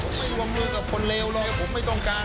ผมไม่วงมือกับคนเลวเลยผมไม่ต้องการ